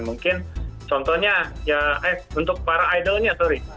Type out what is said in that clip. mungkin contohnya ya eh untuk para idolnya sorry